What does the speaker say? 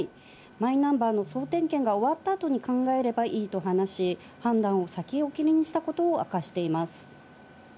マイナンバーの総点検が終わった後に考えればいいと話し、判断を先送りにしたことを明かしています。